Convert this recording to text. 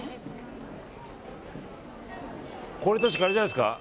これ確かあれじゃないですか。